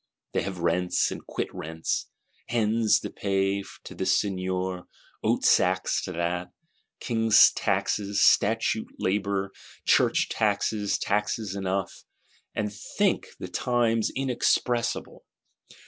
They have rents and quit rents, Hens to pay to this Seigneur, Oat sacks to that; King's taxes, Statute labour, Church taxes, taxes enough;—and think the times inexpressible.